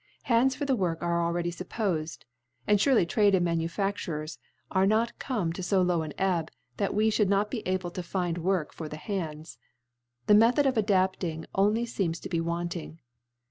Hands for the Work are already ilippoftd, and furely Trade and Manufac ture are not come to fo low an Ebb, that we (hould not be able to find Work for the Hands. The Method of adapting only" feems to be wanting.